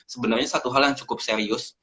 sebenarnya satu hal yang cukup serius